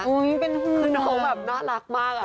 น้องแบบน่ารักมากอะ